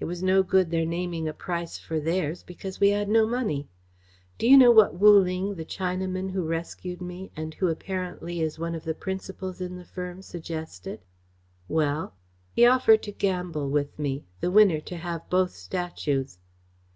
It was no good their naming a price for theirs, because we had no money. Do you know what Wu Ling, the Chinaman who rescued me and who apparently is one of the principals in the firm, suggested?" "Well?" "He offered to gamble with me the winner to have both statues."